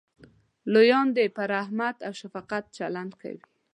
لویان دې په رحمت او شفقت چلند کوي.